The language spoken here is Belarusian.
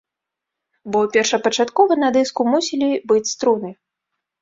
Бо першапачаткова на дыску мусілі быць струны!